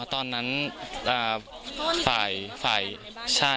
คือตอนนั้นมีภารยาอยู่ด้วยมั้ยหรือว่าออกนอกพื้นที่ไปแล้วครับ